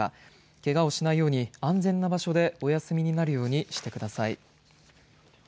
けがをしないように安全な場所でお休みになるようにしてください。